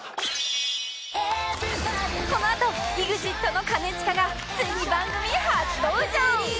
このあと ＥＸＩＴ の兼近がついに番組初登場！